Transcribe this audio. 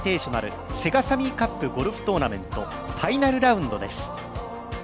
ＩＮＶＩＴＡＴＩＯＮＡＬセガサミーカップゴルフトーナメントファイナルラウンドです。